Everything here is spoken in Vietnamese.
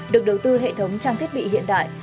được đầu tư hệ thống trang thiết bị hiện đại